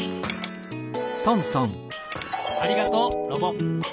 「ありがとうロボ」。